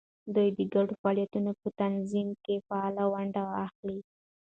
دوی د ګډو فعالیتونو په تنظیم کې فعاله ونډه اخلي.